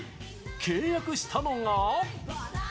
契約したのが。